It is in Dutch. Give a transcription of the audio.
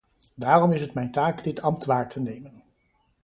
Daarom is het mijn taak dit ambt waar te nemen.